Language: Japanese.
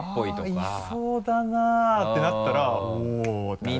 「あぁいそうだな」ってなったら「おぉ」ってなる。